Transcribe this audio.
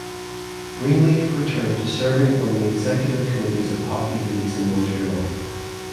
Greenleaf returned to serving on the executive committees of hockey leagues in Montreal.